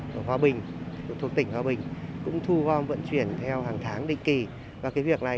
ở hòa bình thuộc tỉnh hòa bình cũng thu gom vận chuyển theo hàng tháng định kỳ và cái việc này